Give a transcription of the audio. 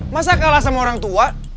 masa kalah sama orang tua